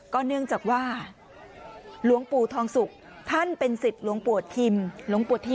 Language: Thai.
ก็เนื่องจากว่าหลวงปู่ทองสุกท่านเป็นสิทธิ์หลวงปวดทิมะ